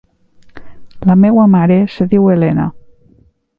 La meua mare se diu Helena.